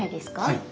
はい。